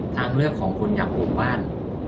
ทางเลือกของคนอยากปลูกบ้าน